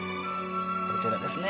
こちらですね。